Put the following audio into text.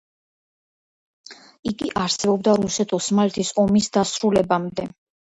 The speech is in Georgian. იგი არსებობდა რუსეთ-ოსმალეთის ომის დასრულებამდე.